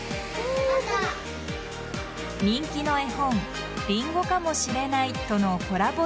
人気の絵本「りんごかもしれない」とのコラボ